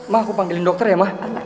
mah aku panggilin dokter ya ma